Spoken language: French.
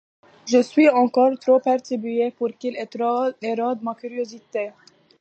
Je suis encore trop perturbé pour qu’il érode ma curiosité.